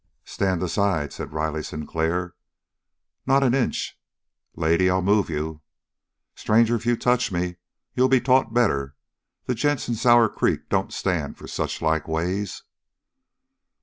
"Stand aside," said Riley Sinclair. "Not an inch!" "Lady, I'll move you." "Stranger, if you touch me, you'll be taught better. The gents in Sour Creek don't stand for suchlike ways!"